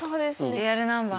リアルナンバー。